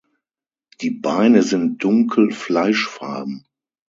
Die Beine sind dunkel fleischfarben.